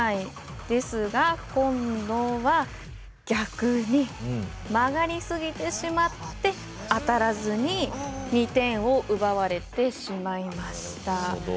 ですが今度は逆に曲がりすぎてしまって当たらずに２点を奪われてしまいました。